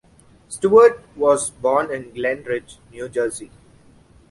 Stewart was born in Glen Ridge, New Jersey.